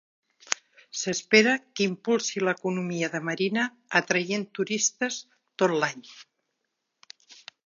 S'espera que impulsi l'economia de Marina atraient turistes tot l'any.